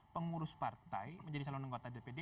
pengurus partai menjadi calon anggota dpd